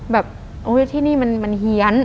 แบบที่นี่มันเฮียน